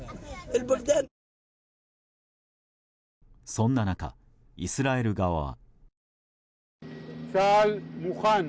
そんな中、イスラエル側は。